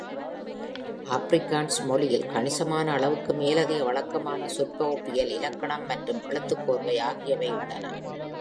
Afrikaans மொழியில் கணிசமான அளவுக்கு மேலதிக வழக்கமான சொற்பகுப்பியல், இலக்கணம் மற்றும் எழுத்துக்கோர்வை ஆகியவை உள்ளன.